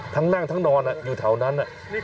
นั่งทั้งนอนอยู่แถวนั้น